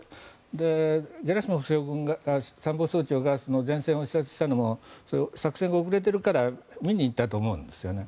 ゲラシモフ参謀総長が前線を視察したのも作戦が遅れているから見に行ったと思うんですよね。